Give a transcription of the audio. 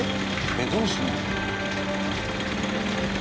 えっどうするの？